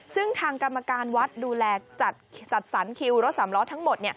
ซึ่งทางกรรมการวัดดูแลจัดสรรคิวรถสามล้อทั้งหมด